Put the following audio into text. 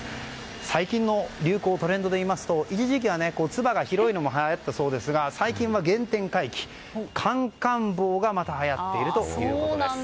最近の流行トレンドでいいますと一時期はツバが広いのもはやったそうですが最近は原点回帰カンカン帽がまたはやっているということです。